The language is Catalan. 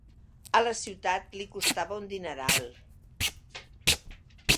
A la ciutat li costava un dineral.